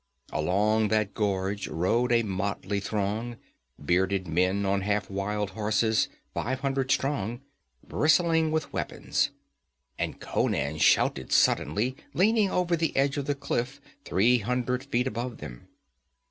Along that gorge rode a motley throng bearded men on half wild horses, five hundred strong, bristling with weapons. And Conan shouted suddenly, leaning over the edge of the cliff, three hundred feet above them.